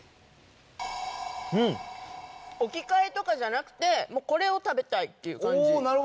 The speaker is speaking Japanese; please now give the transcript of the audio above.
置き換えとかじゃなくてこれを食べたいっていう感じ。